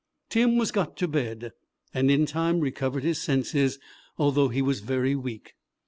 Tim was got to bed, and in time recovered his senses, although he was very weak.